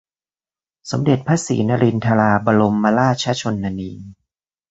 สมเด็จพระศรีนครินทราบรมราชชนนี